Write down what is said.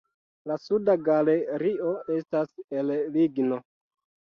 La suda galerio estas el ligno.